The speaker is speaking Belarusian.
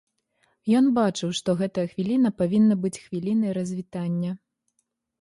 Ён бачыў, што гэтая хвіліна павінна быць хвілінай развітання.